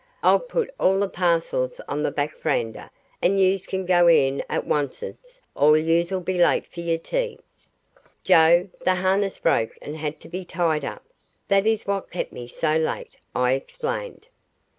I'll put all the parcels on the back veranda, and yuz can go in at woncest or yuz'll be late fer yer tea." "Joe, the harness broke and had to be tied up. That is what kept me so late," I explained.